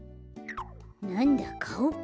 なんだかおか。